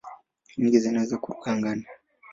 Nyingi zinaweza kuruka angani.